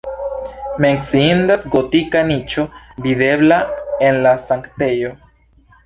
Menciindas gotika niĉo videbla en la sanktejo.